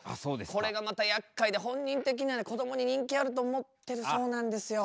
これがまたやっかいで本人的にはねこどもに人気あると思ってるそうなんですよ。